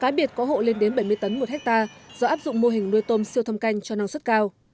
cái biệt có hộ lên đến bảy mươi tấn một hectare do áp dụng mô hình nuôi tôm siêu thâm canh cho năng suất cao